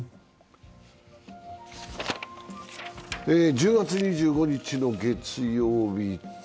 １０月２５日の月曜日。